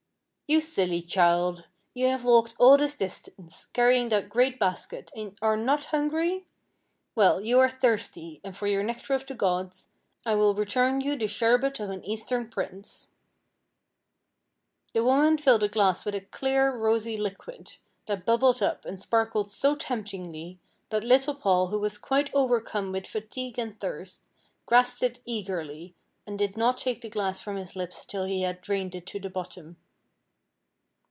"You silly child! You have walked all this distance, carrying that great basket, and are not hungry? Well, you are thirsty, and for your nectar of the gods, I will return you the sherbet of an eastern prince." The woman filled a glass with a clear, rosy liquid, that bubbled up and sparkled so temptingly, that little Paul, who was quite overcome with fatigue and thirst, grasped it eagerly, and did not take the glass from his lips till he had drained it to the bottom.